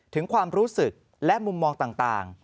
ถึงความรู้สึกและมุมมองต่าง